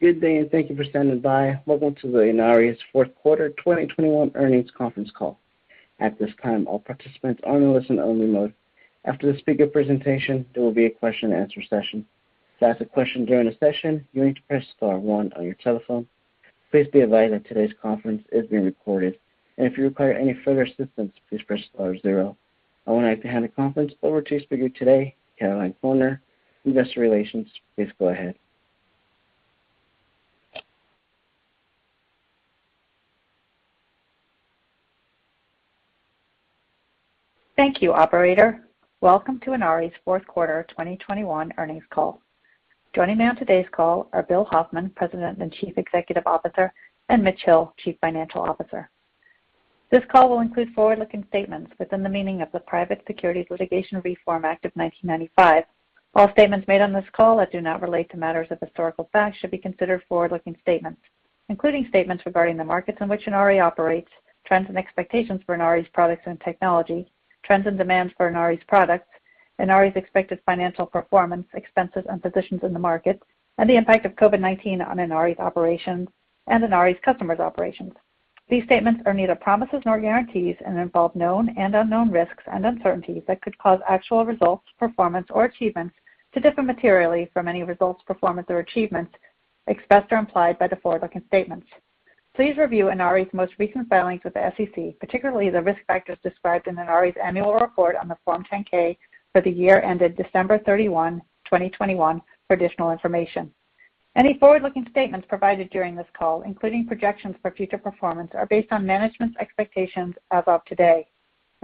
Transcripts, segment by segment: Good day, and thank you for standing by. Welcome to the Inari's Fourth Quarter 2021 Earnings Conference Call. At this time, all participants are in a listen-only mode. After the speaker presentation, there will be a question and answer session. To ask a question during the session, you need to press star one on your telephone. Please be advised that today's conference is being recorded. If you require any further assistance, please press star zero. I would like to hand the conference over to speaker today, Caroline Corner, Investor Relations. Please go ahead. Thank you, operator. Welcome to Inari's Fourth Quarter 2021 Earnings Call. Joining me on today's call are Bill Hoffman, President and Chief Executive Officer, and Mitch Hill, Chief Financial Officer. This call will include forward-looking statements within the meaning of the Private Securities Litigation Reform Act of 1995. All statements made on this call that do not relate to matters of historical fact should be considered forward-looking statements, including statements regarding the markets in which Inari operates, trends and expectations for Inari's products and technology, trends and demands for Inari's products, Inari's expected financial performance, expenses and positions in the markets, and the impact of COVID-19 on Inari's operations and Inari's customers' operations. These statements are neither promises nor guarantees and involve known and unknown risks and uncertainties that could cause actual results, performance or achievements to differ materially from any results, performance or achievements expressed or implied by the forward-looking statements. Please review Inari's most recent filings with the SEC, particularly the risk factors described in Inari's annual report on Form 10-K for the year ended December 31, 2021 for additional information. Any forward-looking statements provided during this call, including projections for future performance, are based on management's expectations as of today.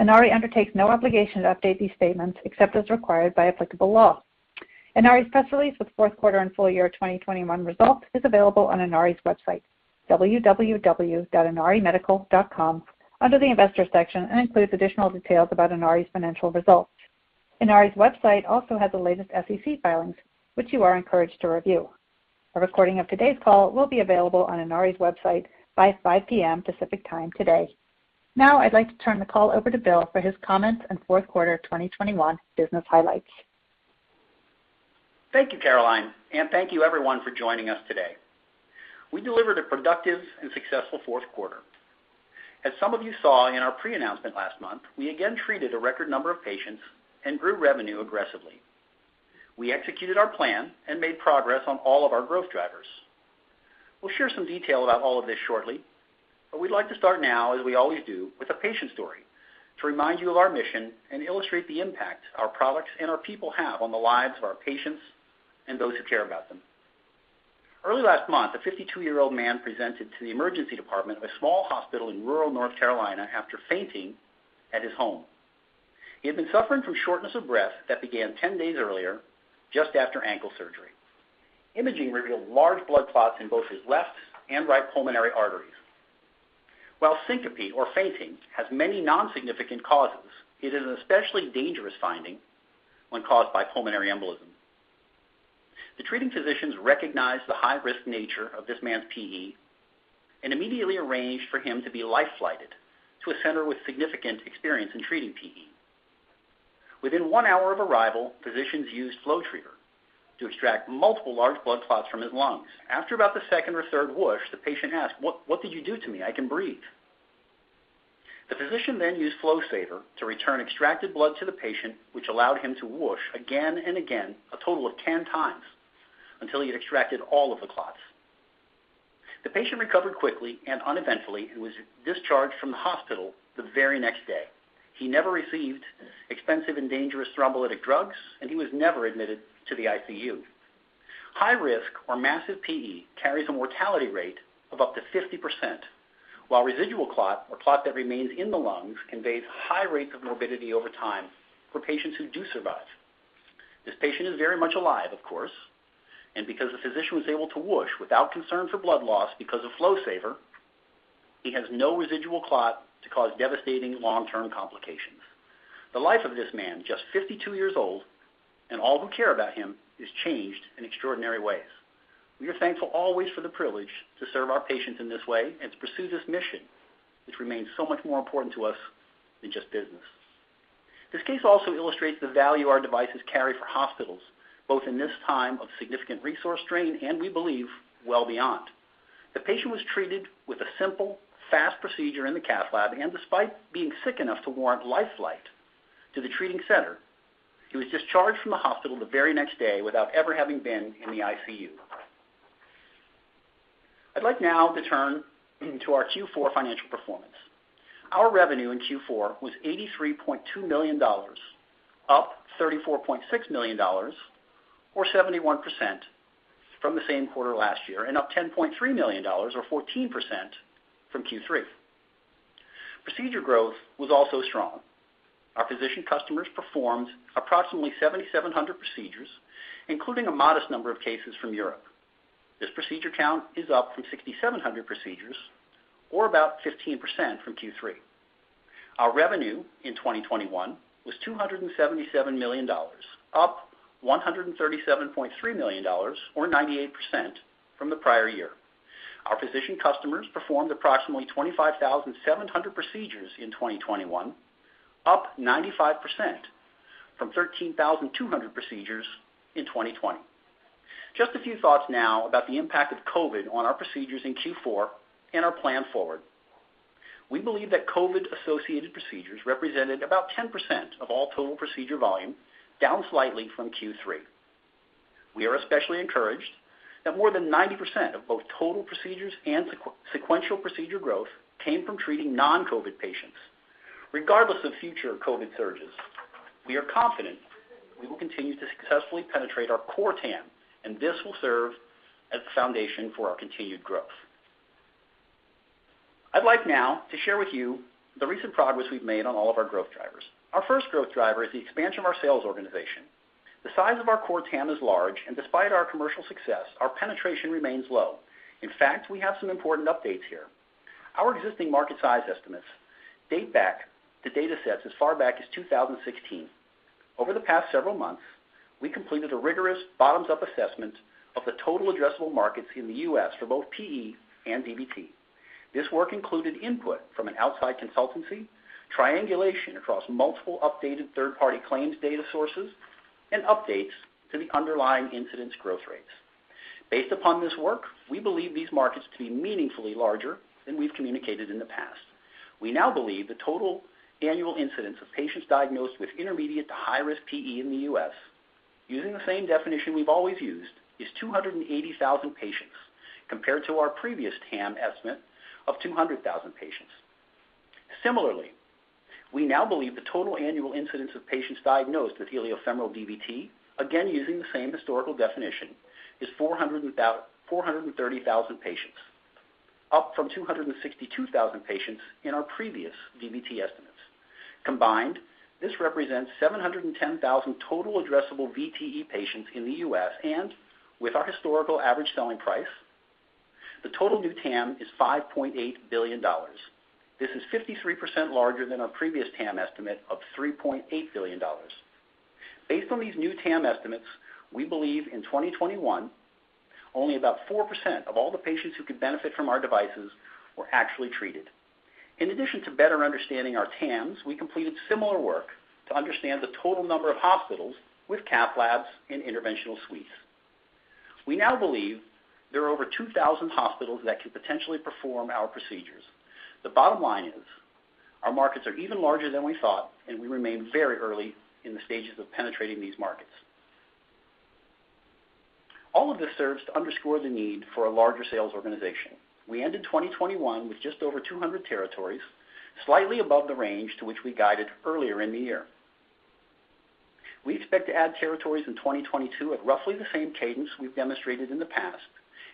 Inari undertakes no obligation to update these statements except as required by applicable law. Inari's press release for the fourth quarter and full year 2021 results is available on Inari's website, www.inarimedical.com, under the Investors section, and includes additional details about Inari's financial results. Inari's website also has the latest SEC filings, which you are encouraged to review. A recording of today's call will be available on Inari's website by 5:00 P.M. Pacific Time today. Now I'd like to turn the call over to Bill for his comments on fourth quarter of 2021 business highlights. Thank you, Caroline, and thank you everyone for joining us today. We delivered a productive and successful fourth quarter. As some of you saw in our pre-announcement last month, we again treated a record number of patients and grew revenue aggressively. We executed our plan and made progress on all of our growth drivers. We'll share some detail about all of this shortly, but we'd like to start now, as we always do, with a patient story to remind you of our mission and illustrate the impact our products and our people have on the lives of our patients and those who care about them. Early last month, a 52-year-old man presented to the emergency department of a small hospital in rural North Carolina after fainting at his home. He had been suffering from shortness of breath that began 10 days earlier, just after ankle surgery. Imaging revealed large blood clots in both his left and right pulmonary arteries. While syncope or fainting has many non-significant causes, it is an especially dangerous finding when caused by pulmonary embolism. The treating physicians recognized the high-risk nature of this man's PE and immediately arranged for him to be life flighted to a center with significant experience in treating PE. Within one hour of arrival, physicians used FlowTriever to extract multiple large blood clots from his lungs. After about the second or third whoosh, the patient asked, "What, what did you do to me? I can breathe." The physician then used FlowSaver to return extracted blood to the patient, which allowed him to whoosh again and again, a total of 10 times, until he had extracted all of the clots. The patient recovered quickly and uneventfully and was discharged from the hospital the very next day. He never received expensive and dangerous thrombolytic drugs, and he was never admitted to the ICU. High risk or massive PE carries a mortality rate of up to 50%, while residual clot or clot that remains in the lungs conveys high rates of morbidity over time for patients who do survive. This patient is very much alive, of course, and because the physician was able to aspirate without concern for blood loss because of FlowSaver, he has no residual clot to cause devastating long-term complications. The life of this man, just 52 years old, and all who care about him, is changed in extraordinary ways. We are thankful always for the privilege to serve our patients in this way and to pursue this mission, which remains so much more important to us than just business. This case also illustrates the value our devices carry for hospitals, both in this time of significant resource strain and we believe, well beyond. The patient was treated with a simple, fast procedure in the cath lab. Despite being sick enough to warrant life flight to the treating center, he was discharged from the hospital the very next day without ever having been in the ICU. I'd like now to turn to our Q4 financial performance. Our revenue in Q4 was $83.2 million, up $34.6 million or 71% from the same quarter last year, and up $10.3 million or 14% from Q3. Procedure growth was also strong. Our physician customers performed approximately 7,700 procedures, including a modest number of cases from Europe. This procedure count is up from 6,700 procedures or about 15% from Q3. Our revenue in 2021 was $277 million, up $137.3 million or 98% from the prior year. Our physician customers performed approximately 25,700 procedures in 2021, up 95% from 13,200 procedures in 2020. Just a few thoughts now about the impact of COVID on our procedures in Q4 and our plan forward. We believe that COVID associated procedures represented about 10% of all total procedure volume, down slightly from Q3. We are especially encouraged that more than 90% of both total procedures and sequential procedure growth came from treating non-COVID patients. Regardless of future COVID surges, we are confident we will continue to successfully penetrate our core TAM, and this will serve as the foundation for our continued growth. I'd like now to share with you the recent progress we've made on all of our growth drivers. Our first growth driver is the expansion of our sales organization. The size of our core TAM is large and despite our commercial success, our penetration remains low. In fact, we have some important updates here. Our existing market size estimates date back to data sets as far back as 2016. Over the past several months, we completed a rigorous bottoms-up assessment of the total addressable markets in the U.S. for both PE and DVT. This work included input from an outside consultancy, triangulation across multiple updated third-party claims data sources, and updates to the underlying incidence growth rates. Based upon this work, we believe these markets to be meaningfully larger than we've communicated in the past. We now believe the total annual incidence of patients diagnosed with intermediate to high-risk PE in the U.S., using the same definition we've always used, is 280,000 patients compared to our previous TAM estimate of 200,000 patients. Similarly, we now believe the total annual incidence of patients diagnosed with iliofemoral DVT, again using the same historical definition, is 430,000 patients, up from 262,000 patients in our previous DVT estimates. Combined, this represents 710,000 total addressable VTE patients in the U.S., and with our historical average selling price, the total new TAM is $5.8 billion. This is 53% larger than our previous TAM estimate of $3.8 billion. Based on these new TAM estimates, we believe in 2021, only about 4% of all the patients who could benefit from our devices were actually treated. In addition to better understanding our TAMs, we completed similar work to understand the total number of hospitals with cath labs and interventional suites. We now believe there are over 2,000 hospitals that could potentially perform our procedures. The bottom line is, our markets are even larger than we thought, and we remain very early in the stages of penetrating these markets. All of this serves to underscore the need for a larger sales organization. We ended 2021 with just over 200 territories, slightly above the range to which we guided earlier in the year. We expect to add territories in 2022 at roughly the same cadence we've demonstrated in the past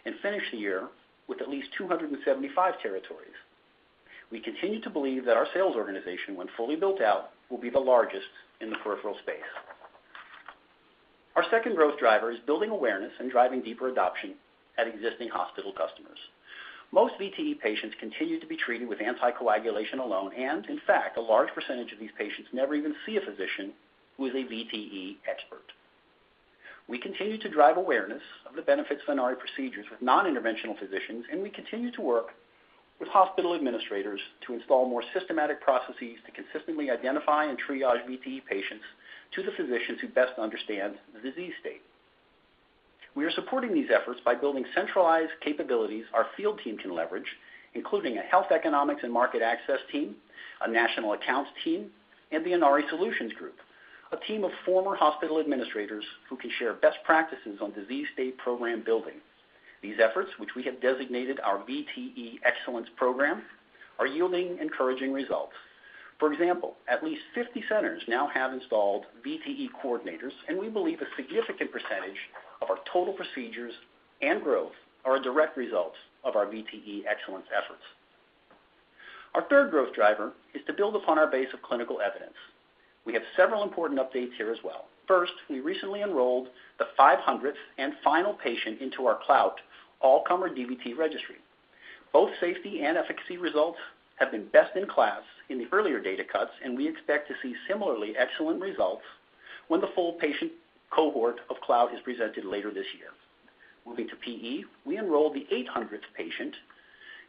and finish the year with at least 275 territories. We continue to believe that our sales organization, when fully built out, will be the largest in the peripheral space. Our second growth driver is building awareness and driving deeper adoption at existing hospital customers. Most VTE patients continue to be treated with anticoagulation alone, and in fact, a large percentage of these patients never even see a physician who is a VTE expert. We continue to drive awareness of the benefits of Inari procedures with non-interventional physicians, and we continue to work with hospital administrators to install more systematic processes to consistently identify and triage VTE patients to the physicians who best understand the disease state. We are supporting these efforts by building centralized capabilities our field team can leverage, including a health economics and market access team, a national accounts team, and the Inari Solutions Group, a team of former hospital administrators who can share best practices on disease state program building. These efforts, which we have designated our VTE Excellence program, are yielding encouraging results. For example, at least 50 centers now have installed VTE coordinators, and we believe a significant percentage of our total procedures and growth are a direct result of our VTE excellence efforts. Our third growth driver is to build upon our base of clinical evidence. We have several important updates here as well. First, we recently enrolled the 500th and final patient into our CLOUT all comer DVT registry. Both safety and efficacy results have been best in class in the earlier data cuts, and we expect to see similarly excellent results when the full patient cohort of CLOUT is presented later this year. Moving to PE, we enrolled the 800th patient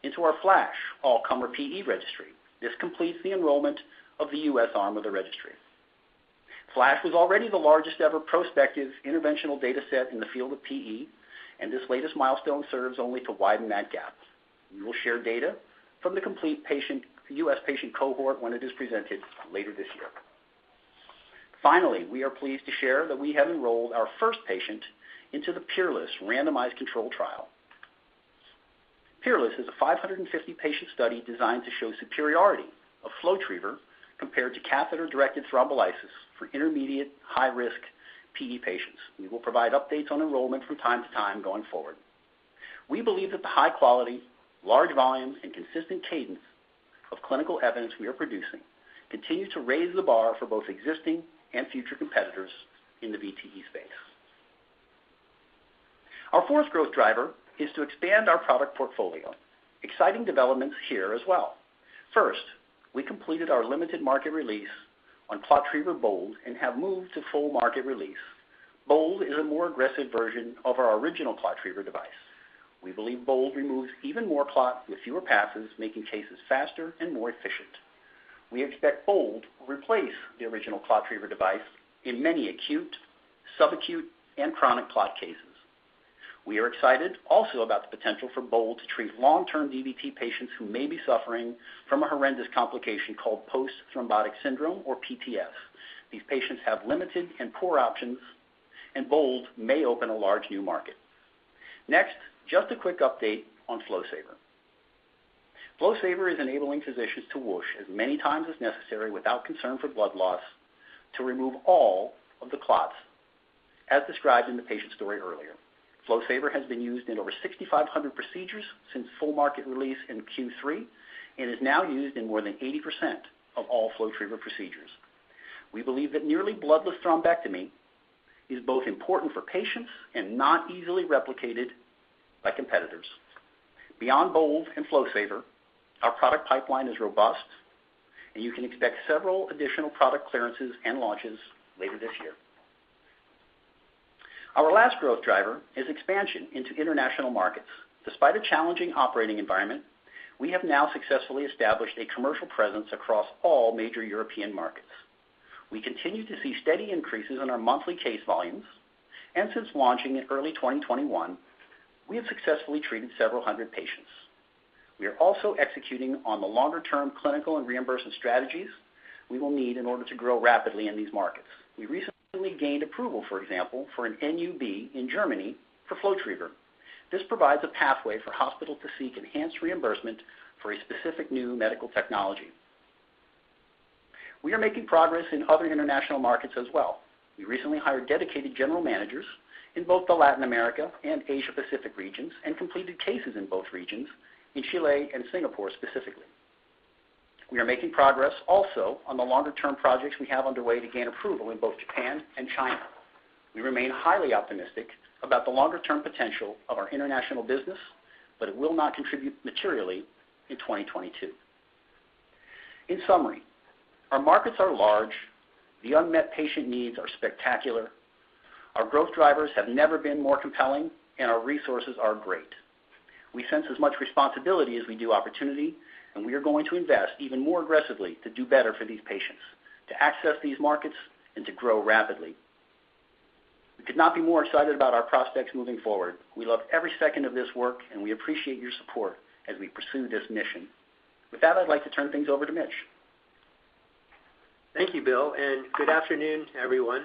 into our FLASH all comer PE registry. This completes the enrollment of the U.S. arm of the registry. FLASH was already the largest ever prospective interventional data set in the field of PE, and this latest milestone serves only to widen that gap. We will share data from the complete U.S. patient cohort when it is presented later this year. Finally, we are pleased to share that we have enrolled our first patient into the PEERLESS randomized controlled trial. PEERLESS is a 550 patient study designed to show superiority of FlowTriever compared to catheter-directed thrombolysis for intermediate high risk PE patients. We will provide updates on enrollment from time to time going forward. We believe that the high quality, large volume, and consistent cadence of clinical evidence we are producing continues to raise the bar for both existing and future competitors in the VTE space. Our fourth growth driver is to expand our product portfolio. Exciting developments here as well. First, we completed our limited market release on ClotTriever BOLD and have moved to full market release. BOLD is a more aggressive version of our original ClotTriever device. We believe BOLD removes even more clot with fewer passes, making cases faster and more efficient. We expect BOLD will replace the original ClotTriever device in many acute, subacute, and chronic clot cases. We are excited also about the potential for BOLD to treat long-term DVT patients who may be suffering from a horrendous complication called post-thrombotic syndrome, or PTS. These patients have limited and poor options, and BOLD may open a large new market. Next, just a quick update on FlowSaver. FlowSaver is enabling physicians to whoosh as many times as necessary without concern for blood loss to remove all of the clots, as described in the patient story earlier. FlowSaver has been used in over 6,500 procedures since full market release in Q3 and is now used in more than 80% of all FlowTriever procedures. We believe that nearly bloodless thrombectomy is both important for patients and not easily replicated by competitors. Beyond BOLD and FlowSaver, our product pipeline is robust, and you can expect several additional product clearances and launches later this year. Our last growth driver is expansion into international markets. Despite a challenging operating environment, we have now successfully established a commercial presence across all major European markets. We continue to see steady increases in our monthly case volumes. Since launching in early 2021, we have successfully treated several hundred patients. We are also executing on the longer-term clinical and reimbursement strategies we will need in order to grow rapidly in these markets. We recently gained approval, for example, for an NUB in Germany for FlowTriever. This provides a pathway for hospital to seek enhanced reimbursement for a specific new medical technology. We are making progress in other international markets as well. We recently hired dedicated general managers in both the Latin America and Asia Pacific regions and completed cases in both regions, in Chile and Singapore specifically. We are making progress also on the longer-term projects we have underway to gain approval in both Japan and China. We remain highly optimistic about the longer-term potential of our international business, but it will not contribute materially in 2022. In summary, our markets are large, the unmet patient needs are spectacular, our growth drivers have never been more compelling, and our resources are great. We sense as much responsibility as we do opportunity, and we are going to invest even more aggressively to do better for these patients, to access these markets and to grow rapidly. We could not be more excited about our prospects moving forward. We love every second of this work, and we appreciate your support as we pursue this mission. With that, I'd like to turn things over to Mitch. Thank you, Bill, and good afternoon, everyone.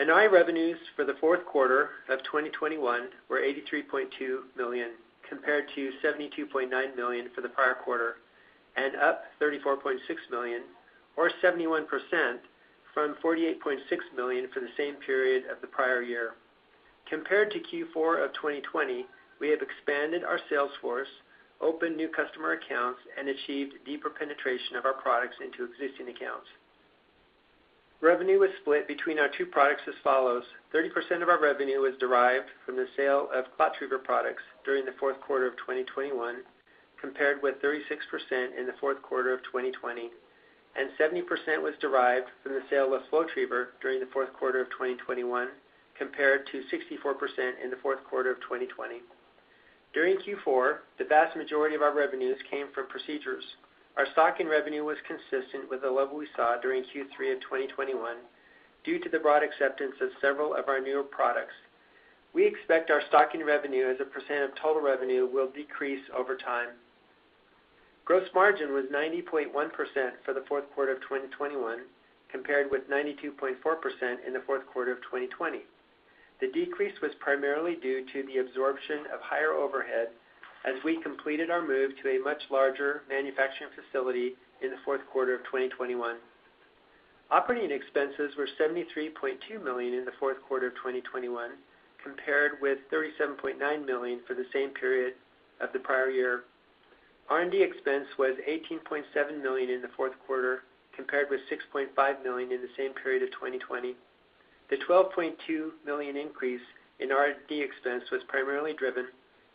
Inari revenues for the fourth quarter of 2021 were $83.2 million, compared to $72.9 million for the prior quarter and up $34.6 million or 71% from $48.6 million for the same period of the prior year. Compared to Q4 of 2020, we have expanded our sales force, opened new customer accounts, and achieved deeper penetration of our products into existing accounts. Revenue was split between our two products as follows. 30% of our revenue was derived from the sale of ClotTriever products during the fourth quarter of 2021, compared with 36% in the fourth quarter of 2020. 70% was derived from the sale of FlowTriever during the fourth quarter of 2021, compared to 64% in the fourth quarter of 2020. During Q4, the vast majority of our revenues came from procedures. Our stocking revenue was consistent with the level we saw during Q3 of 2021 due to the broad acceptance of several of our newer products. We expect our stocking revenue as a percent of total revenue will decrease over time. Gross margin was 90.1% for the fourth quarter of 2021, compared with 92.4% in the fourth quarter of 2020. The decrease was primarily due to the absorption of higher overhead as we completed our move to a much larger manufacturing facility in the fourth quarter of 2021. Operating expenses were $73.2 million in the fourth quarter of 2021, compared with $37.9 million for the same period of the prior year. R&D expense was $18.7 million in the fourth quarter, compared with $6.5 million in the same period of 2020. The $12.2 million increase in R&D expense was primarily driven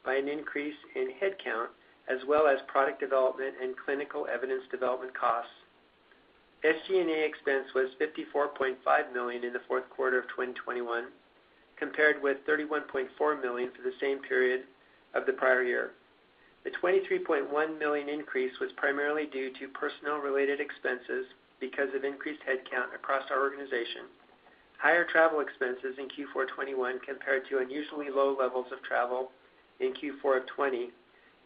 by an increase in headcount as well as product development and clinical evidence development costs. SG&A expense was $54.5 million in the fourth quarter of 2021, compared with $31.4 million for the same period of the prior year. The $23.1 million increase was primarily due to personnel-related expenses because of increased headcount across our organization. Higher travel expenses in Q4 2021 compared to unusually low levels of travel in Q4 of 2020,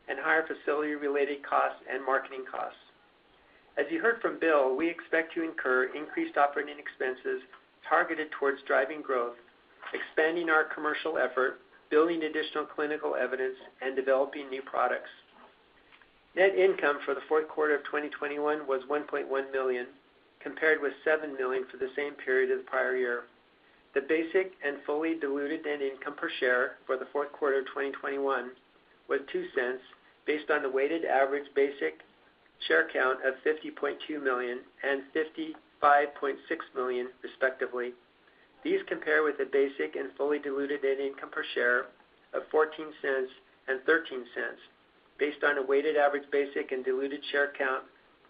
and higher facility-related costs and marketing costs. As you heard from Bill, we expect to incur increased operating expenses targeted towards driving growth, expanding our commercial effort, building additional clinical evidence, and developing new products. Net income for the fourth quarter of 2021 was $1.1 million, compared with $7 million for the same period of the prior year. The basic and fully diluted net income per share for the fourth quarter of 2021 was $0.02, based on the weighted average basic and diluted share count of 50.2 million and 55.6 million respectively. These compare with the basic and fully diluted net income per share of $0.14 and $0.13 based on a weighted average basic and diluted share count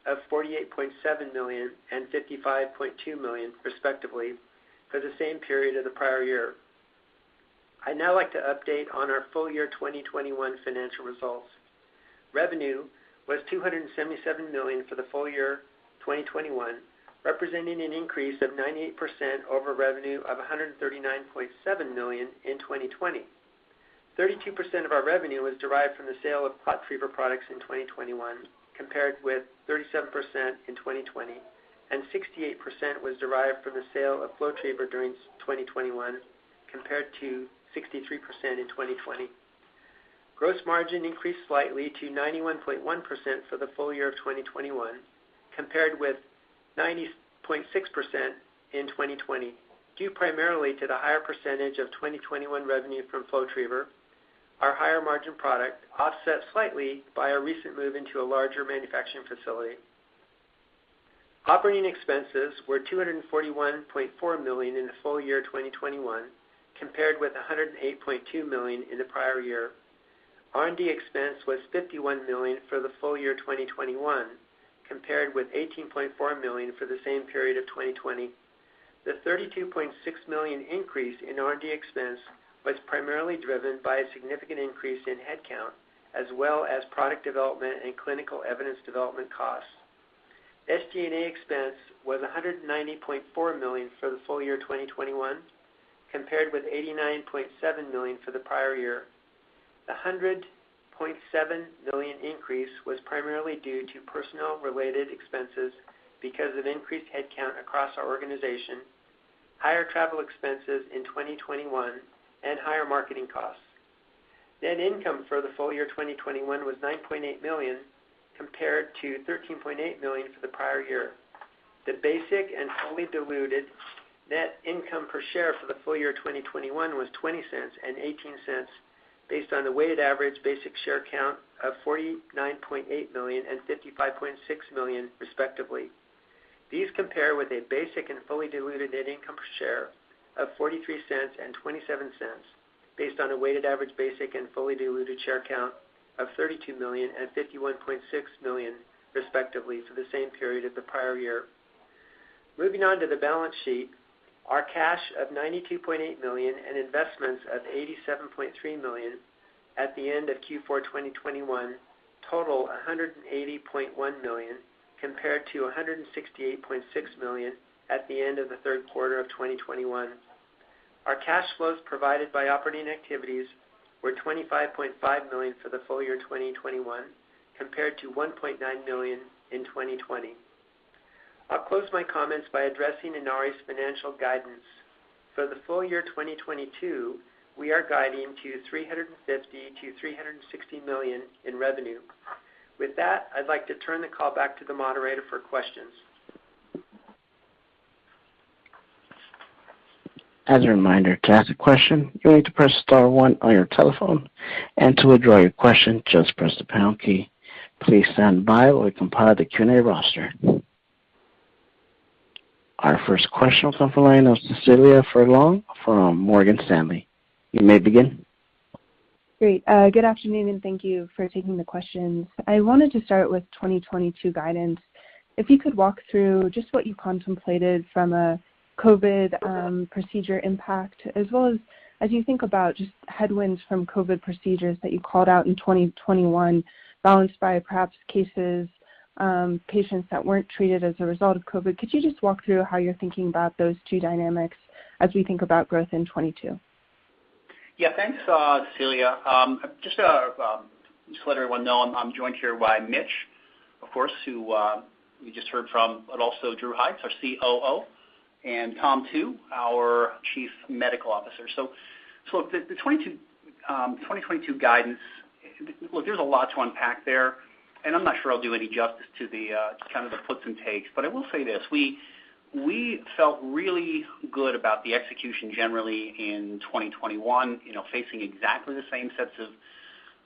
of 48.7 million and 55.2 million respectively for the same period of the prior year. I'd now like to update on our full year 2021 financial results. Revenue was $277 million for the full year 2021, representing an increase of 98% over revenue of $139.7 million in 2020. 32% of our revenue was derived from the sale of ClotTriever products in 2021, compared with 37% in 2020, and 68% was derived from the sale of FlowTriever during 2021, compared to 63% in 2020. Gross margin increased slightly to 91.1% for the full year of 2021, compared with 90.6% in 2020, due primarily to the higher percentage of 2021 revenue from FlowTriever, our higher margin product, offset slightly by our recent move into a larger manufacturing facility. Operating expenses were $241.4 million in the full year 2021, compared with $108.2 million in the prior year. R&D expense was $51 million for the full year 2021, compared with $18.4 million for the same period of 2020. The $32.6 million increase in R&D expense was primarily driven by a significant increase in headcount as well as product development and clinical evidence development costs. SG&A expense was $190.4 million for the full year 2021, compared with $89.7 million for the prior year. The $100.7 million increase was primarily due to personnel-related expenses because of increased headcount across our organization, higher travel expenses in 2021 and higher marketing costs. Net income for the full year 2021 was $9.8 million, compared to $13.8 million for the prior year. The basic and fully diluted net income per share for the full year 2021 was $0.20 and $0.18 based on the weighted average basic share count of 49.8 million and 55.6 million respectively. These compare with a basic and fully diluted net income per share of $0.43 and $0.27 based on a weighted average basic and fully diluted share count of 32 million and 51.6 million respectively for the same period of the prior year. Moving on to the balance sheet. Our cash of $92.8 million and investments of $87.3 million at the end of Q4 2021 total $180.1 million, compared to $168.6 million at the end of the third quarter of 2021. Our cash flows provided by operating activities were $25.5 million for the full year 2021, compared to $1.9 million in 2020. I'll close my comments by addressing Inari's financial guidance. For the full year 2022, we are guiding to $350 million-$360 million in revenue. With that, I'd like to turn the call back to the moderator for questions. As a reminder, to ask a question, you'll need to press star one on your telephone, and to withdraw your question, just press the pound key. Please stand by while we compile the Q&A roster. Our first question will come from the line of Cecilia Furlong from Morgan Stanley. You may begin. Great. Good afternoon and thank you for taking the questions. I wanted to start with 2022 guidance. If you could walk through just what you contemplated from a COVID procedure impact as well as you think about just headwinds from COVID procedures that you called out in 2021 balanced by perhaps cases, patients that weren't treated as a result of COVID. Could you just walk through how you're thinking about those two dynamics as we think about growth in 2022? Yeah. Thanks, Cecilia. Just let everyone know, I'm joined here by Mitch, of course, who we just heard from, but also Drew Hykes, our COO, and Tom Tu, our Chief Medical Officer. The 2022 guidance, look, there's a lot to unpack there, and I'm not sure I'll do any justice to the kind of puts and takes. I will say this, we felt really good about the execution generally in 2021, you know, facing exactly the same sets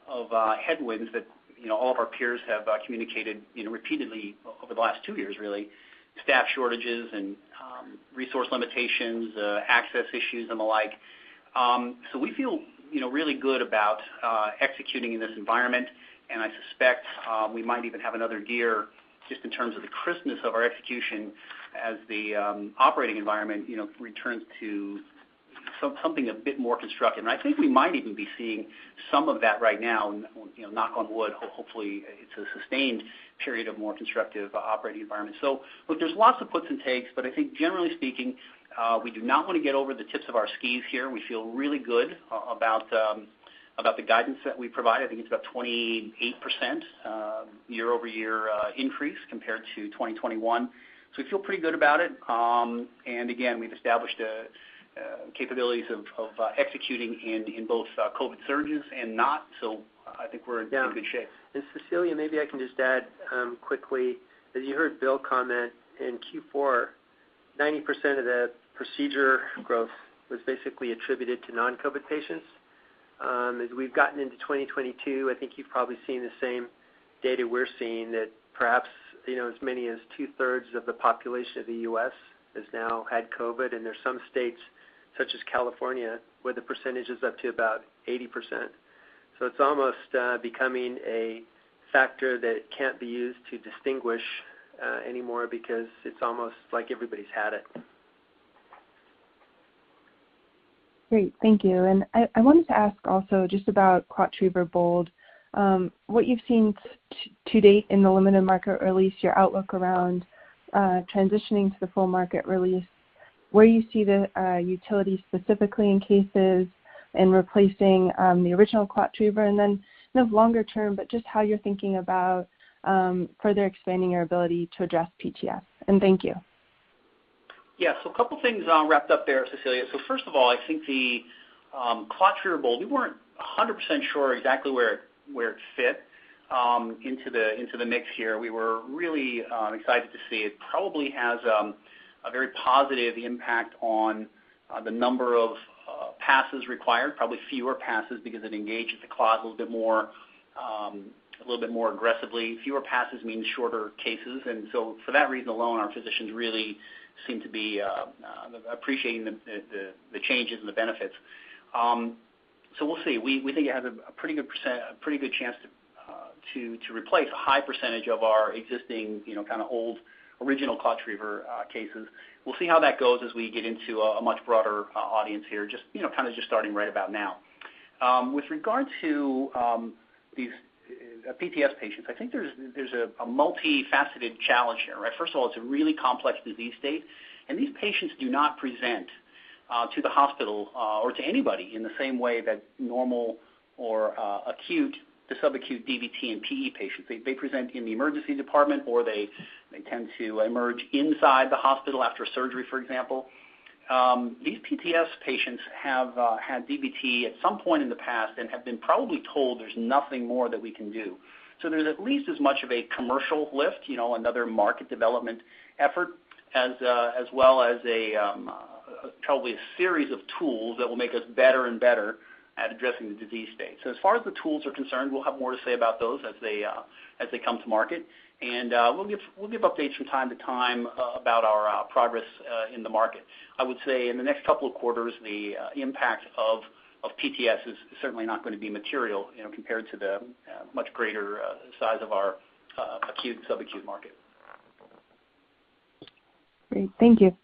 of headwinds that, you know, all of our peers have communicated, you know, repeatedly over the last two years really. Staff shortages and resource limitations, access issues and the like. We feel, you know, really good about executing in this environment, and I suspect we might even have another gear just in terms of the crispness of our execution as the operating environment, you know, returns to something a bit more constructive. I think we might even be seeing some of that right now. You know, knock on wood, hopefully it's a sustained period of more constructive operating environment. Look, there's lots of puts and takes, but I think generally speaking, we do not wanna get over the tips of our skis here. We feel really good about the guidance that we provide. I think it's about 28% year-over-year increase compared to 2021. We feel pretty good about it. Again, we've established capabilities of executing in both COVID surges and not. I think we're in good shape. Yeah. Cecilia, maybe I can just add quickly, as you heard Bill comment, in Q4, 90% of the procedure growth was basically attributed to non-COVID patients. As we've gotten into 2022, I think you've probably seen the same data we're seeing that perhaps, you know, as many as 2/3 of the population of the U.S. has now had COVID, and there's some states such as California, where the percentage is up to about 80%. It's almost becoming a factor that can't be used to distinguish anymore because it's almost like everybody's had it. Great. Thank you. I wanted to ask also just about ClotTriever BOLD. What you've seen to date in the limited market release, your outlook around transitioning to the full market release, where you see the utility specifically in cases in replacing the original ClotTriever and then kind of longer term, but just how you're thinking about further expanding your ability to address PTS. Thank you. Yeah. A couple things wrapped up there, Cecilia. First of all, I think the ClotTriever BOLD, we weren't 100% sure exactly where it fit into the mix here. We were really excited to see. It probably has a very positive impact on the number of passes required, probably fewer passes because it engages the clot a little bit more, a little bit more aggressively. Fewer passes mean shorter cases. For that reason alone, our physicians really seem to be appreciating the changes and the benefits. We'll see. We think it has a pretty good chance to replace a high percentage of our existing, you know, kind of old original ClotTriever cases. We'll see how that goes as we get into a much broader audience here, just, you know, kind of just starting right about now. With regard to these PTS patients, I think there's a multifaceted challenge here, right? First of all, it's a really complex disease state, and these patients do not present to the hospital or to anybody in the same way that normal or acute to subacute DVT and PE patients. They present in the emergency department, or they tend to emerge inside the hospital after surgery, for example. These PTS patients have had DVT at some point in the past and have been probably told there's nothing more that we can do. There's at least as much of a commercial lift, you know, another market development effort as well as a probably a series of tools that will make us better and better at addressing the disease state. As far as the tools are concerned, we'll have more to say about those as they come to market. We'll give updates from time to time about our progress in the market. I would say in the next couple of quarters, the impact of PTS is certainly not gonna be material, you know, compared to the much greater size of our acute and subacute market. Great. Thank you.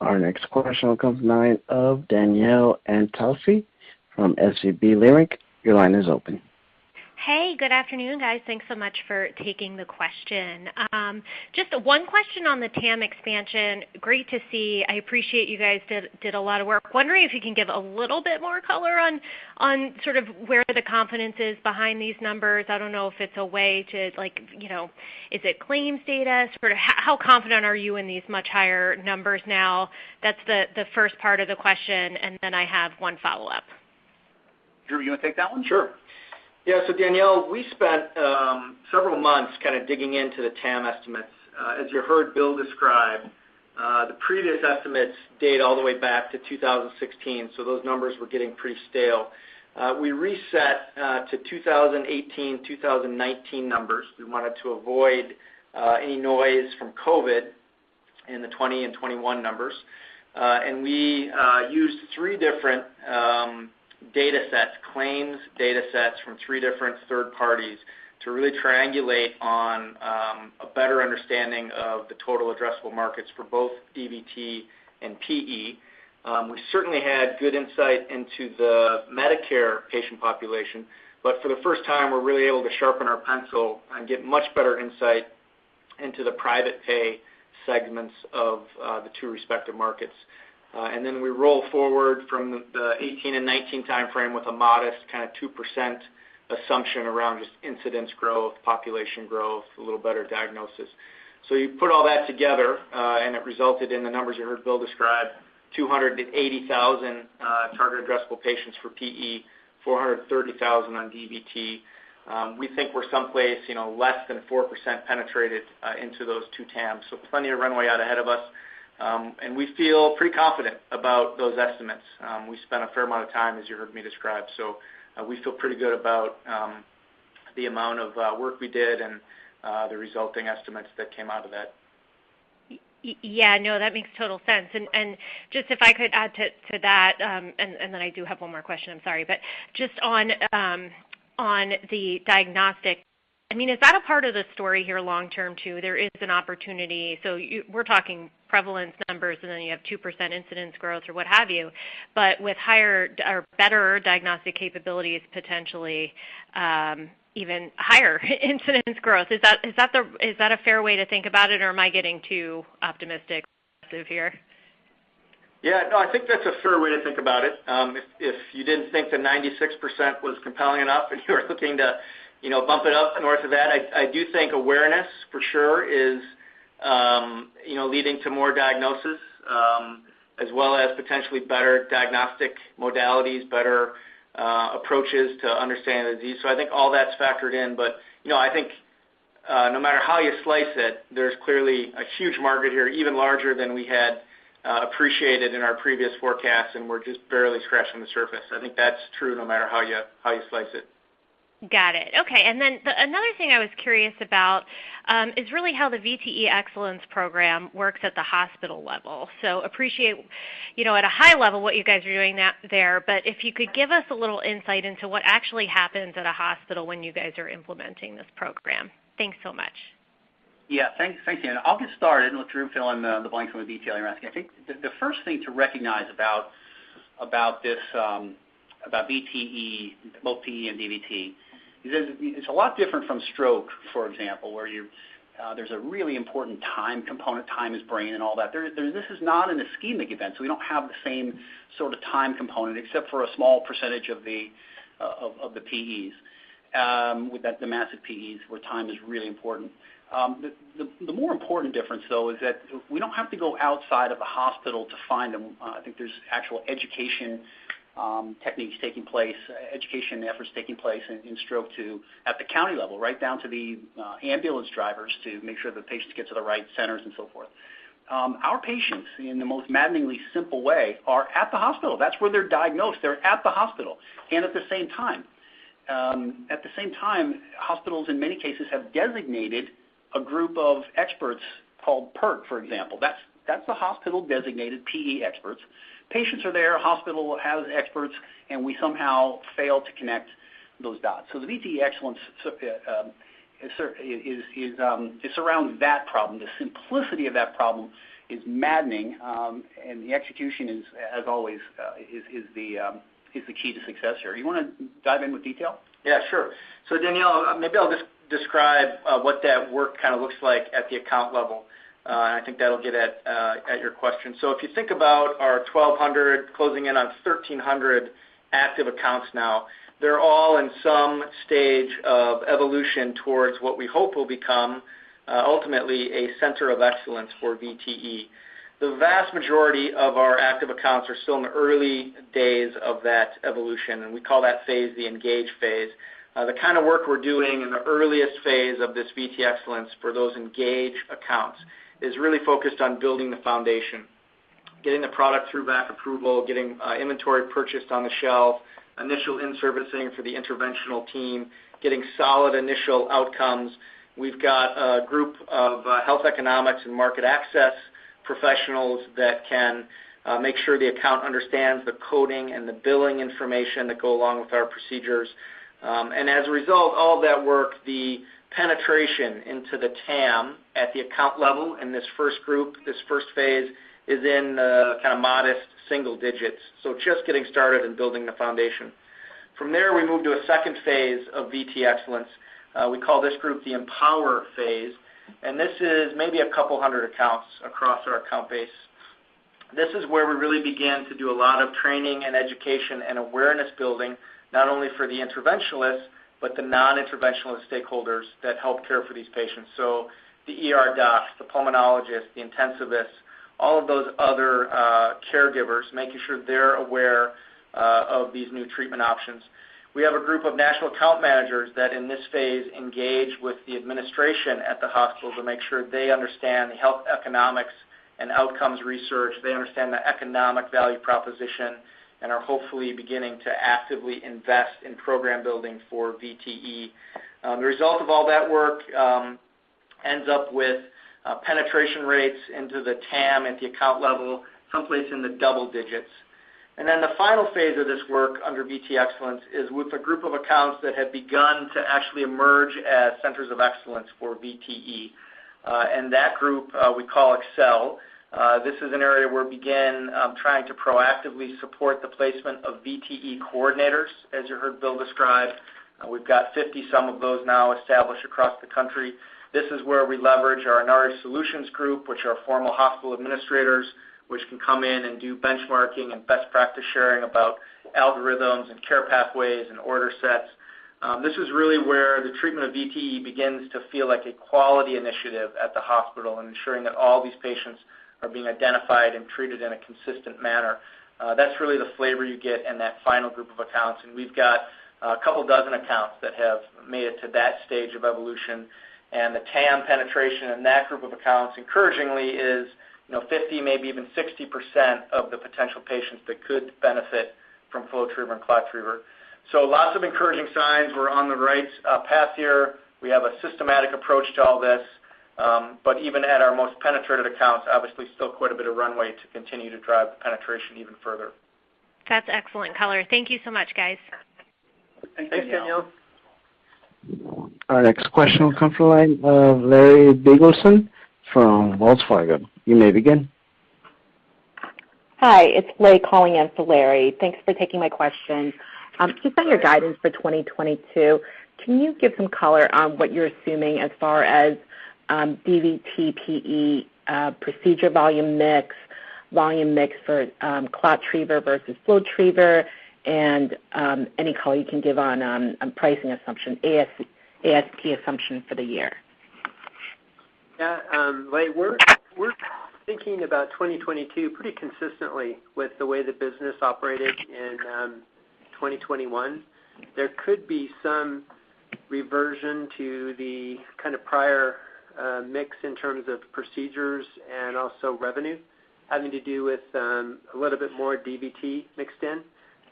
Our next question will come from the line of Danielle Antalffy from SVB Leerink. Your line is open. Hey, good afternoon, guys. Thanks so much for taking the question. Just one question on the TAM expansion. Great to see. I appreciate you guys did a lot of work. Wondering if you can give a little bit more color on sort of where the confidence is behind these numbers. I don't know if it's a way to like, you know. Is it claims data? Sort of how confident are you in these much higher numbers now? That's the first part of the question, and then I have one follow-up. Drew, you wanna take that one? Danielle, we spent several months kind of digging into the TAM estimates. As you heard Bill describe, the previous estimates date all the way back to 2016, so those numbers were getting pretty stale. We reset to 2018, 2019 numbers. We wanted to avoid any noise from COVID in the 2020 and 2021 numbers. We used three different data sets, claims data sets from three different third parties to really triangulate on a better understanding of the total addressable markets for both DVT and PE. We certainly had good insight into the Medicare patient population, but for the first time, we're really able to sharpen our pencil and get much better insight into the private pay segments of the two respective markets. We roll forward from the 2018 and 2019 timeframe with a modest kind of 2% assumption around just incidence growth, population growth, a little better diagnosis. You put all that together, and it resulted in the numbers you heard Bill describe, 280,000 target addressable patients for PE, 430,000 on DVT. We think we're someplace, you know, less than 4% penetrated into those two TAMs, so plenty of runway out ahead of us. We feel pretty confident about those estimates. We spent a fair amount of time as you heard me describe. We feel pretty good about the amount of work we did and the resulting estimates that came out of that. Yeah. No, that makes total sense. Just if I could add to that, and then I do have one more question. I'm sorry. Just on the diagnostic, I mean, is that a part of the story here long term too? There is an opportunity. We're talking prevalence numbers, and then you have 2% incidence growth or what have you. With higher or better diagnostic capabilities, potentially, even higher incidence growth. Is that a fair way to think about it, or am I getting too optimistic here? Yeah. No, I think that's a fair way to think about it. If you didn't think the 96% was compelling enough and you were looking to, you know, bump it up north of that, I do think awareness for sure is, you know, leading to more diagnosis, as well as potentially better diagnostic modalities, better approaches to understanding the disease. I think all that's factored in. You know, I think no matter how you slice it, there's clearly a huge market here, even larger than we had appreciated in our previous forecast, and we're just barely scratching the surface. I think that's true no matter how you slice it. Got it. Okay. Another thing I was curious about is really how the VTE Excellence program works at the hospital level. I appreciate, you know, at a high level what you guys are doing there, but if you could give us a little insight into what actually happens at a hospital when you guys are implementing this program. Thanks so much. Yeah. Thanks, thanks, Danielle. I'll get started and let Drew fill in the blanks from a detail you're asking. I think the first thing to recognize about this about VTE, both PE and DVT, is that it's a lot different from stroke, for example, where there's a really important time component. Time is brain and all that. This is not an ischemic event, so we don't have the same sort of time component except for a small percentage of the PEs, the massive PEs, where time is really important. The more important difference, though, is that we don't have to go outside of the hospital to find them. I think there's actual education techniques taking place, education efforts taking place in stroke to the county level, right down to the ambulance drivers to make sure the patients get to the right centers and so forth. Our patients, in the most maddeningly simple way, are at the hospital. That's where they're diagnosed. They're at the hospital. At the same time, hospitals in many cases have designated a group of experts called PERT, for example. That's the hospital-designated PE experts. Patients are there, hospital has experts, and we somehow fail to connect those dots. The VTE Excellence is around that problem. The simplicity of that problem is maddening, and the execution is, as always, the key to success here. You wanna dive in with detail? Yeah, sure. Danielle, maybe I'll just describe what that work kind of looks like at the account level. I think that'll get at your question. If you think about our 1,200, closing in on 1,300 active accounts now, they're all in some stage of evolution towards what we hope will become ultimately a center of excellence for VTE. The vast majority of our active accounts are still in the early days of that evolution, and we call that phase the ENGAGE phase. The kind of work we're doing in the earliest phase of this VTE excellence for those engage accounts is really focused on building the foundation, getting the product through VAC approval, getting inventory purchased on the shelf, initial in-servicing for the interventional team, getting solid initial outcomes. We've got a group of health economics and market access professionals that can make sure the account understands the coding and the billing information that go along with our procedures. As a result, all of that work, the penetration into the TAM at the account level in this first group, this first phase, is in kind of modest single digits. Just getting started in building the foundation. From there, we move to a second phase of VTE Excellence. We call this group the EMPOWER phase, and this is maybe 200 accounts across our account base. This is where we really begin to do a lot of training and education and awareness building, not only for the interventionalists, but the non-interventionalist stakeholders that help care for these patients. The ER docs, the pulmonologists, the intensivists, all of those other caregivers making sure they're aware of these new treatment options. We have a group of national account managers that, in this phase, engage with the administration at the hospital to make sure they understand the health economics and outcomes research. They understand the economic value proposition and are hopefully beginning to actively invest in program building for VTE. The result of all that work ends up with penetration rates into the TAM at the account level, someplace in the double digits. The final phase of this work under VTE Excellence is with a group of accounts that have begun to actually emerge as centers of excellence for VTE. That group we call EXCEL. This is an area where we begin trying to proactively support the placement of VTE coordinators, as you heard Bill describe. We've got 50-some of those now established across the country. This is where we leverage our Inari Solutions Group, which are former hospital administrators, which can come in and do benchmarking and best practice sharing about algorithms and care pathways and order sets. This is really where the treatment of VTE begins to feel like a quality initiative at the hospital and ensuring that all these patients are being identified and treated in a consistent manner. That's really the flavor you get in that final group of accounts, and we've got a couple dozen accounts that have made it to that stage of evolution. The TAM penetration in that group of accounts, encouragingly, is, you know, 50%, maybe even 60% of the potential patients that could benefit from FlowTriever and ClotTriever. Lots of encouraging signs. We're on the right path here. We have a systematic approach to all this. But even at our most penetrated accounts, obviously still quite a bit of runway to continue to drive the penetration even further. That's excellent color. Thank you so much, guys. Thank you. Thanks, Danielle. Our next question will come from the line of Larry Biegelsen from Wells Fargo. You may begin. Hi, it's Lei calling in for Larry. Thanks for taking my question. Based on your guidance for 2022, can you give some color on what you're assuming as far as DVT/PE procedure volume mix for ClotTriever versus FlowTriever, and any color you can give on pricing assumption, ASP assumption for the year? Yeah, like we're thinking about 2022 pretty consistently with the way the business operated in 2021. There could be some reversion to the kind of prior mix in terms of procedures and also revenue having to do with a little bit more DVT mixed in.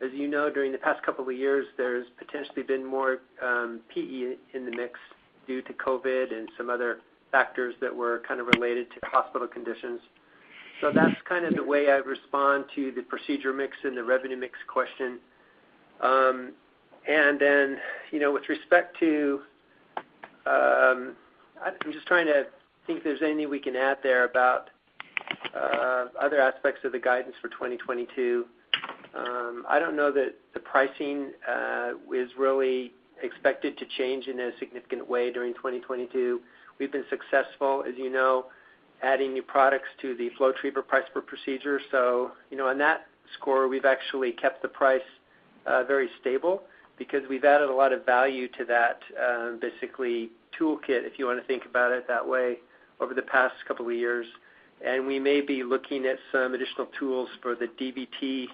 As you know, during the past couple of years, there's potentially been more PE in the mix due to COVID and some other factors that were kind of related to hospital conditions. That's kind of the way I respond to the procedure mix and the revenue mix question. Then, you know, with respect to I'm just trying to think if there's anything we can add there about other aspects of the guidance for 2022. I don't know that the pricing is really expected to change in a significant way during 2022. We've been successful, as you know, adding new products to the FlowTriever price per procedure. You know, on that score, we've actually kept the price very stable because we've added a lot of value to that basically toolkit, if you wanna think about it that way, over the past couple of years. We may be looking at some additional tools for the DVT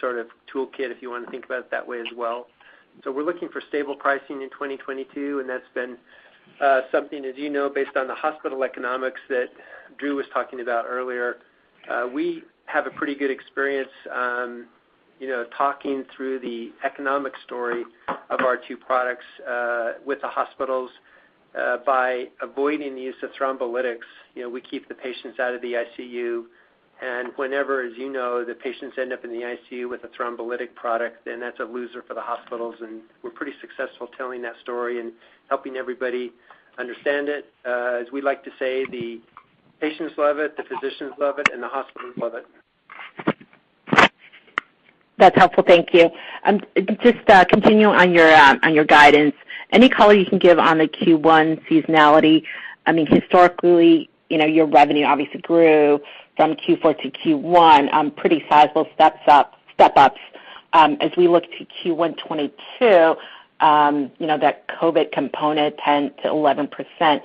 sort of toolkit, if you want to think about it that way as well. We're looking for stable pricing in 2022, and that's been something as you know based on the hospital economics that Drew was talking about earlier. We have a pretty good experience, you know, talking through the economic story of our two products with the hospitals by avoiding the use of thrombolytics. You know, we keep the patients out of the ICU. Whenever, as you know, the patients end up in the ICU with a thrombolytic product, then that's a loser for the hospitals. We're pretty successful telling that story and helping everybody understand it. As we like to say, the patients love it, the physicians love it, and the hospitals love it. That's helpful. Thank you. Just continuing on your guidance. Any color you can give on the Q1 seasonality? I mean, historically, you know, your revenue obviously grew from Q4 to Q1, pretty sizable step-ups. As we look to Q1 2022, you know, that COVID component, 10%-11%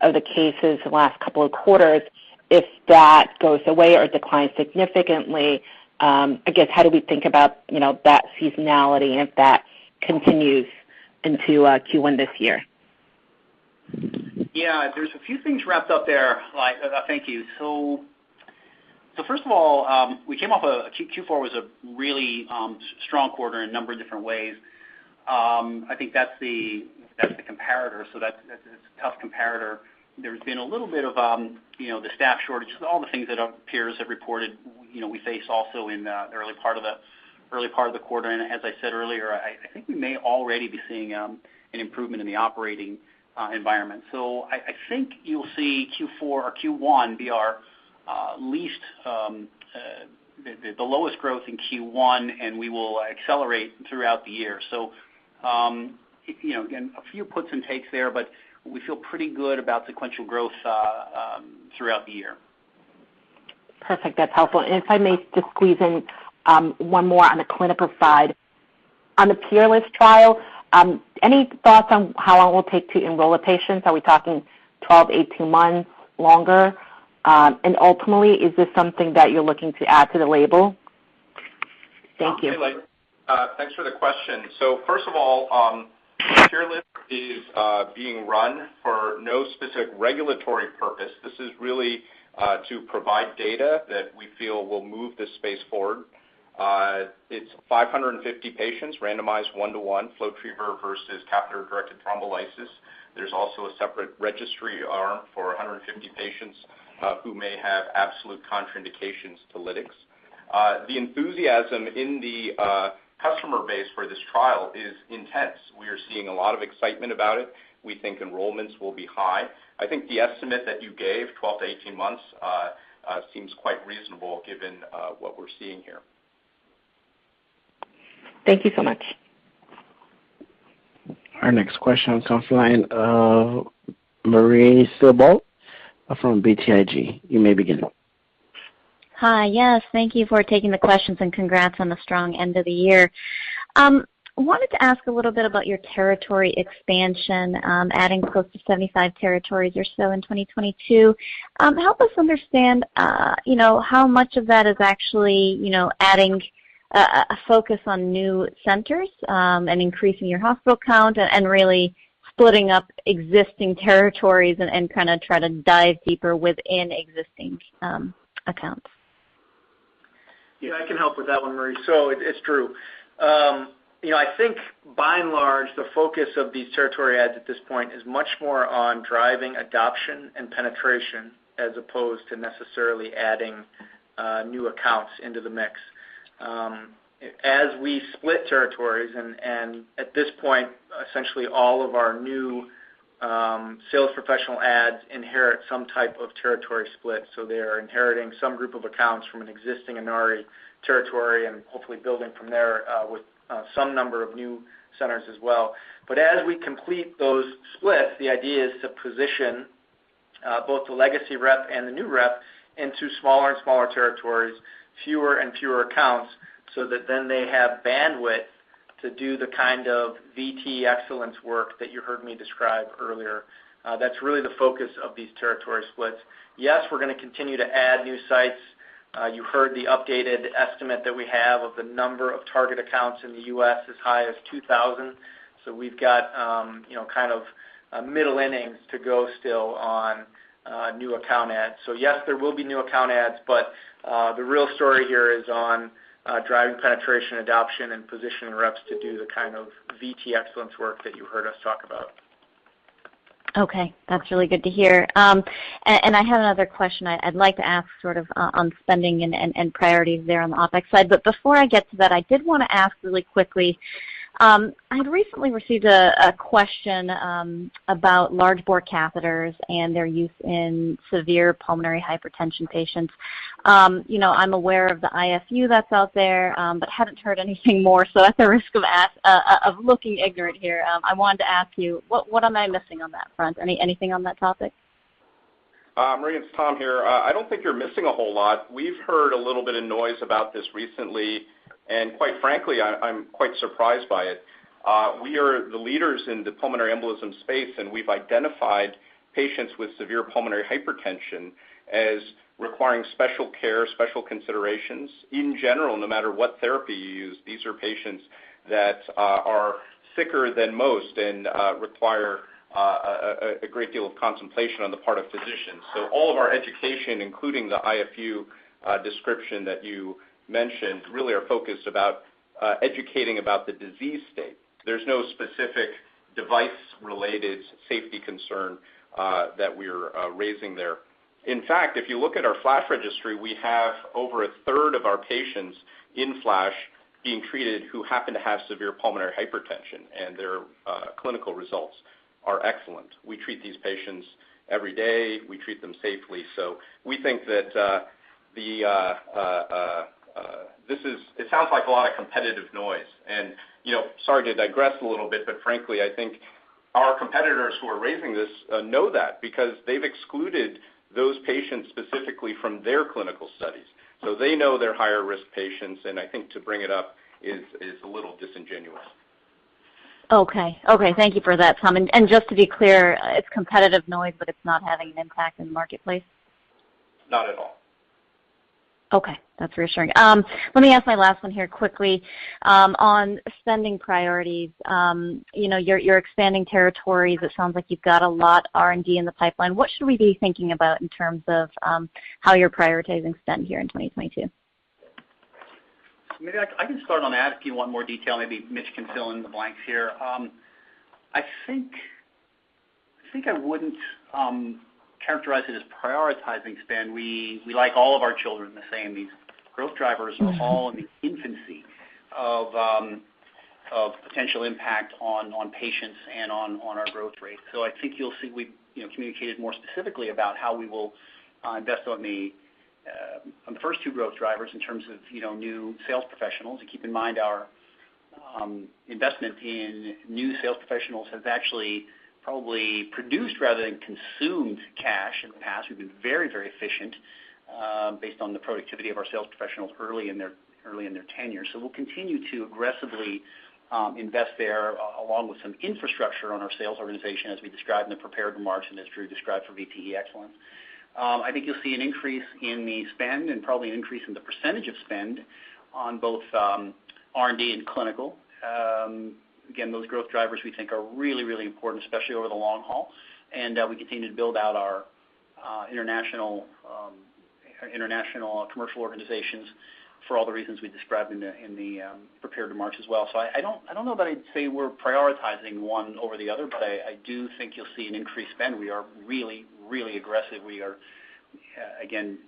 of the cases the last couple of quarters, if that goes away or declines significantly, I guess, how do we think about, you know, that seasonality and if that continues into Q1 this year? There's a few things wrapped up there. Thank you. First of all, we came off Q4 was a really strong quarter in a number of different ways. I think that's the comparator. That's a tough comparator. There's been a little bit of, you know, the staff shortages, all the things that our peers have reported, you know, we face also in the early part of the quarter. As I said earlier, I think we may already be seeing an improvement in the operating environment. I think you'll see Q1 be our lowest growth in Q1, and we will accelerate throughout the year. You know, again, a few puts and takes there, but we feel pretty good about sequential growth throughout the year. Perfect. That's helpful. If I may just squeeze in one more on the clinical side. On the PEERLESS trial, any thoughts on how long it will take to enroll the patients? Are we talking 12, 18 months, longer? Ultimately, is this something that you're looking to add to the label? Thank you. Hey, like, thanks for the question. First of all, PEERLESS is being run for no specific regulatory purpose. This is really to provide data that we feel will move this space forward. It's 550 patients randomized 1:1, FlowTriever versus catheter-directed thrombolysis. There's also a separate registry arm for 150 patients who may have absolute contraindications to lytics. The enthusiasm in the customer base for this trial is intense. We are seeing a lot of excitement about it. We think enrollments will be high. I think the estimate that you gave, 12-18 months, seems quite reasonable given what we're seeing here. Thank you so much. Our next question comes from the line of Marie Thibault from BTIG. You may begin. Hi. Yes, thank you for taking the questions, and congrats on the strong end of the year. Wanted to ask a little bit about your territory expansion, adding close to 75 territories or so in 2022. Help us understand, you know, how much of that is actually, you know, adding a focus on new centers, and increasing your hospital count and really splitting up existing territories and kinda try to dive deeper within existing accounts. Yeah, I can help with that one, Marie. It's Drew. You know, I think by and large, the focus of these territory adds at this point is much more on driving adoption and penetration as opposed to necessarily adding new accounts into the mix. As we split territories and at this point, essentially all of our new sales professional adds inherit some type of territory split. They are inheriting some group of accounts from an existing Inari territory and hopefully building from there with some number of new centers as well. As we complete those splits, the idea is to position both the legacy rep and the new rep into smaller and smaller territories, fewer and fewer accounts, so that then they have bandwidth. To do the kind of VTE Excellence work that you heard me describe earlier, that's really the focus of these territory splits. Yes, we're gonna continue to add new sites. You heard the updated estimate that we have of the number of target accounts in the U.S. as high as 2,000. We've got, you know, kind of a middle innings to go still on new account adds. Yes, there will be new account adds, but the real story here is on driving penetration, adoption and positioning reps to do the kind of VTE Excellence work that you heard us talk about. Okay, that's really good to hear. And I have another question I'd like to ask sort of on spending and priorities there on the OpEx side. Before I get to that, I did want to ask really quickly. I had recently received a question about large bore catheters and their use in severe pulmonary hypertension patients. You know, I'm aware of the IFU that's out there, but haven't heard anything more. At the risk of looking ignorant here, I wanted to ask you, what am I missing on that front? Anything on that topic? Marie, it's Tom here. I don't think you're missing a whole lot. We've heard a little bit of noise about this recently, and quite frankly, I'm quite surprised by it. We are the leaders in the pulmonary embolism space, and we've identified patients with severe pulmonary hypertension as requiring special care, special considerations. In general, no matter what therapy you use, these are patients that are sicker than most and require a great deal of contemplation on the part of physicians. All of our education, including the IFU description that you mentioned, really are focused about educating about the disease state. There's no specific device-related safety concern that we're raising there. In fact, if you look at our FLASH registry, we have over a third of our patients in FLASH being treated who happen to have severe pulmonary hypertension, and their clinical results are excellent. We treat these patients every day. We treat them safely. We think that it sounds like a lot of competitive noise. You know, sorry to digress a little bit, but frankly, I think our competitors who are raising this know that because they've excluded those patients specifically from their clinical studies. They know they're higher risk patients, and I think to bring it up is a little disingenuous. Okay, thank you for that, Tom. Just to be clear, it's competitive noise, but it's not having an impact in the marketplace? Not at all. Okay, that's reassuring. Let me ask my last one here quickly, on spending priorities. You know, you're expanding territories. It sounds like you've got a lot of R&D in the pipeline. What should we be thinking about in terms of, how you're prioritizing spend here in 2022? Marie, I can start on that if you want more detail. Maybe Mitch can fill in the blanks here. I think I wouldn't characterize it as prioritizing spend. We like all of our children the same. These growth drivers are all in the infancy of potential impact on patients and on our growth rate. I think you'll see we've, you know, communicated more specifically about how we will invest on the first two growth drivers in terms of, you know, new sales professionals. Keep in mind our investment in new sales professionals has actually probably produced rather than consumed cash in the past. We've been very efficient based on the productivity of our sales professionals early in their tenure. We'll continue to aggressively invest there, along with some infrastructure on our sales organization as we described in the prepared remarks and as Drew described for VTE Excellence. I think you'll see an increase in the spend and probably an increase in the percentage of spend on both R&D and clinical. Again, those growth drivers we think are really important, especially over the long haul. We continue to build out our international commercial organizations for all the reasons we described in the prepared remarks as well. I don't know that I'd say we're prioritizing one over the other, but I do think you'll see an increased spend. We are really aggressive. We are again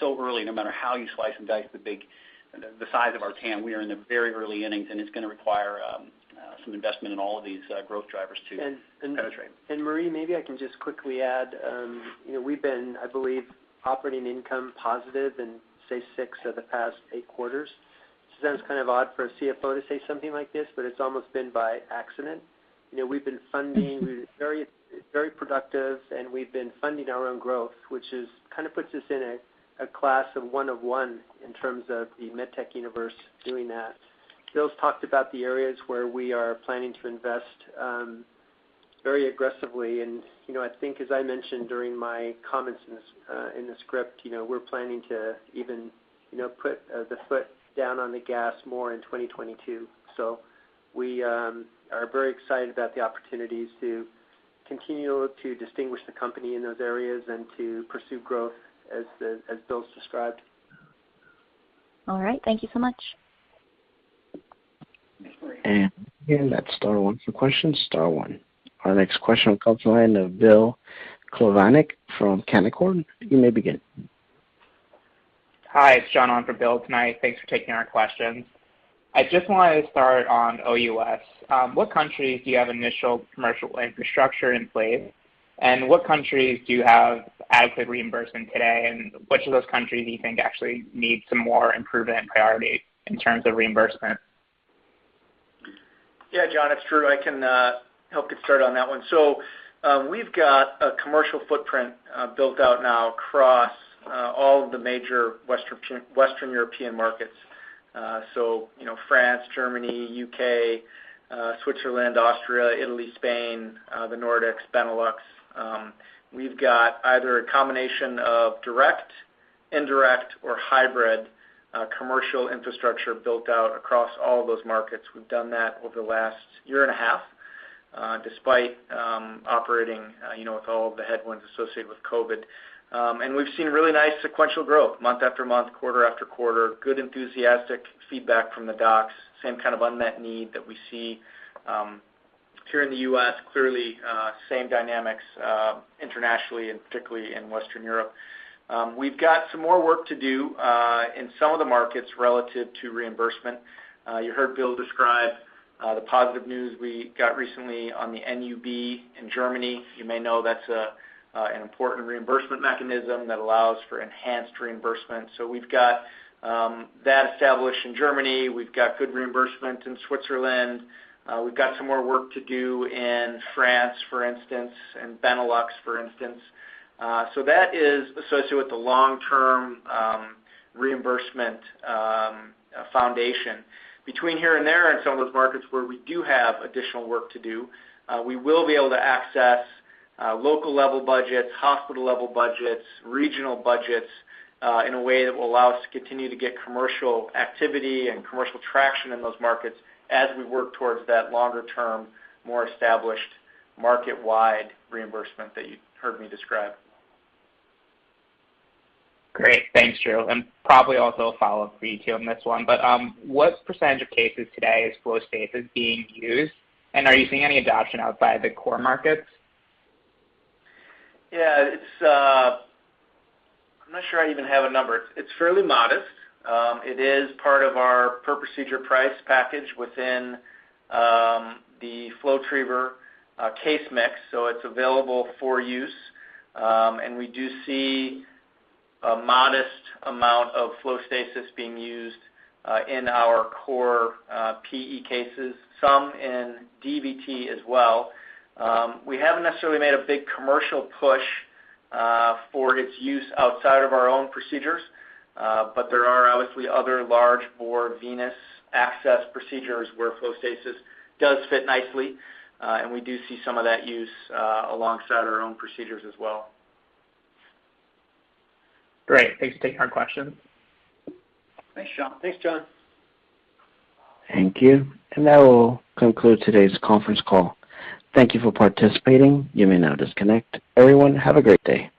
so early, no matter how you slice and dice the size of our TAM. We are in the very early innings, and it's gonna require some investment in all of these growth drivers to- And, and- -penetrate. Marie, maybe I can just quickly add, you know, we've been, I believe, operating income positive in, say, six of the past eight quarters. This sounds kind of odd for a CFO to say something like this, but it's almost been by accident. You know, we're very, very productive, and we've been funding our own growth, which kind of puts us in a class of one of one in terms of the med tech universe doing that. Bill's talked about the areas where we are planning to invest very aggressively. You know, I think as I mentioned during my comments in the script, you know, we're planning to even, you know, put the foot down on the gas more in 2022. We are very excited about the opportunities to continue to distinguish the company in those areas and to pursue growth as Bill's described. All right. Thank you so much. Thanks, Marie. That's star one for questions. Star one. Our next question comes from the line of Bill Plovanic from Canaccord. You may begin. Hi, it's John on for Bill tonight. Thanks for taking our questions. I just wanted to start on OUS. What countries do you have initial commercial infrastructure in place? And what countries do you have adequate reimbursement today? And which of those countries do you think actually need some more improvement and priority in terms of reimbursement? Yeah, John, it's Drew. I can help get started on that one. We've got a commercial footprint built out now across all of the major Western European markets. You know, France, Germany, U.K., Switzerland, Austria, Italy, Spain, the Nordics, Benelux. We've got either a combination of direct, indirect or hybrid commercial infrastructure built out across all of those markets. We've done that over the last year and a half, despite operating, you know, with all of the headwinds associated with COVID. We've seen really nice sequential growth month after month, quarter after quarter. Good enthusiastic feedback from the docs, same kind of unmet need that we see here in the U.S. Clearly, same dynamics internationally and particularly in Western Europe. We've got some more work to do in some of the markets relative to reimbursement. You heard Bill describe the positive news we got recently on the NUB in Germany. You may know that's an important reimbursement mechanism that allows for enhanced reimbursement. We've got that established in Germany. We've got good reimbursement in Switzerland. We've got some more work to do in France, for instance, and Benelux, for instance. That is associated with the long-term reimbursement foundation. Between here and there in some of those markets where we do have additional work to do, we will be able to access local level budgets, hospital level budgets, regional budgets, in a way that will allow us to continue to get commercial activity and commercial traction in those markets as we work towards that longer term, more established market-wide reimbursement that you heard me describe. Great. Thanks, Drew. Probably also a follow-up for you too on this one. What percentage of cases today is FlowStasis being used, and are you seeing any adoption outside the core markets? Yeah, it's. I'm not sure I even have a number. It's fairly modest. It is part of our per procedure price package within the FlowTriever case mix, so it's available for use. We do see a modest amount of FlowStasis being used in our core PE cases, some in DVT as well. We haven't necessarily made a big commercial push for its use outside of our own procedures, but there are obviously other large bore venous access procedures where FlowStasis does fit nicely. We do see some of that use alongside our own procedures as well. Great. Thanks for taking our question. Thanks, John. Thank you. That will conclude today's conference call. Thank you for participating. You may now disconnect. Everyone, have a great day.